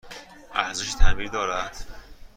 ارزش تعمیر دارد؟